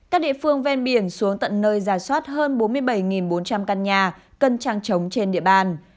các địa phương ven biển xuống tận nơi giả soát hơn bốn mươi bảy bốn trăm linh căn nhà cân trăng trống trên địa bàn